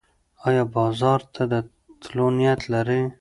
ایا بازار ته د تلو نیت لرې؟